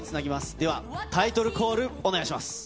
では、タイトルコール、お願いします。